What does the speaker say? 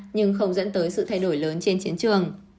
nhưng không dẫn tới sự thay đổi lớn trên chiến trường